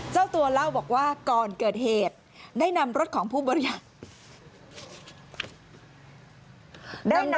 เจ้าตัวเล่าบอกว่าก่อนเกิดเหตุได้นำรถของผู้บริหาร